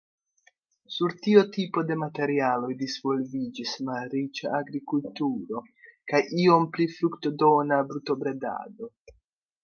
Sur tiu tipo de materialoj disvolviĝis malriĉa agrikulturo kaj iom pli fruktodona brutobredado.